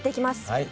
はい。